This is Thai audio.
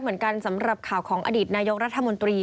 เหมือนกันสำหรับข่าวของอดีตนายกรัฐมนตรี